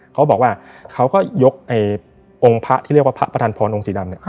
เขาก็บอกว่าเขาก็ยกองค์พระที่เรียกว่าพระประธานพรองค์สีดำเนี่ย